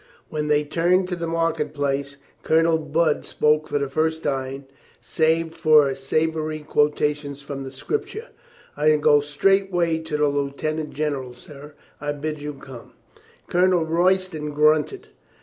When they turned to the market place Colonel Budd spoke for the first time, save for sav ory quotations from the Scripture, "I go straight way to the lieutenant general, sir. I bid you come." Colonel Royston grunted.